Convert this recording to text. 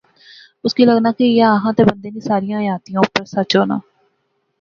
اس کی لغنا کہ ایہہ آخان تہ بندے نیاں ساریا حیاتیا اوپر سچ ہونا